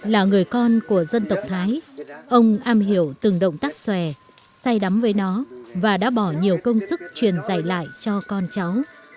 là người con của dân tộc thái ông am hiểu từng động tác xòe say đắm với nó và đã bỏ nhiều công sức truyền dạy lại cho con cháu